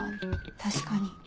確かに。